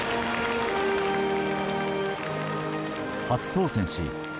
初当選し